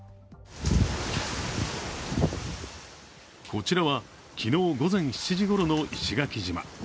こちらは昨日午前７時ごろの石垣島。